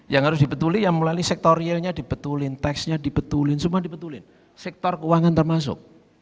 yang harus dibetulkan sektor realnya dibetulkan tax nya dibetulkan sektor keuangan termasuk